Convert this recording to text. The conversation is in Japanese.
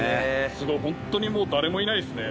すごいホントにもう誰もいないですね。